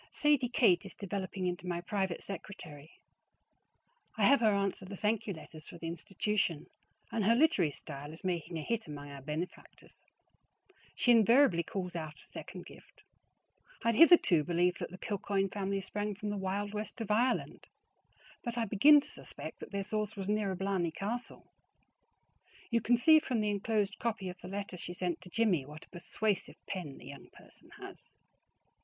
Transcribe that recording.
Sadie Kate is developing into my private secretary. I have her answer the thank you letters for the institution, and her literary style is making a hit among our benefactors. She invariably calls out a second gift. I had hitherto believed that the Kilcoyne family sprang from the wild west of Ireland, but I begin to suspect that their source was nearer Blarney Castle. You can see from the inclosed copy of the letter she sent to Jimmie what a persuasive pen the young person has.